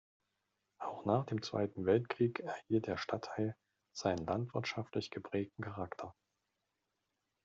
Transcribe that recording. Auch nach dem Zweiten Weltkrieg erhielt der Stadtteil seinen landwirtschaftlich geprägten Charakter.